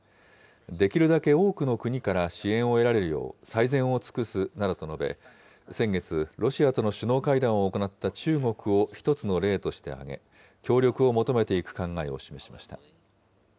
できるだけ多くの国から支援を得られるよう、最善を尽くすなどと述べ、先月、ロシアとの首脳会談を行った中国を一つの例として挙げ、協力を求めていく考えを示しました。